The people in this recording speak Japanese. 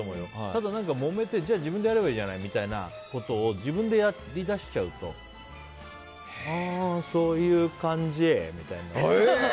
ただ、もめてじゃあ自分でやればいいじゃないみたいなことを自分でやり出しちゃうとふーん、そういう感じって。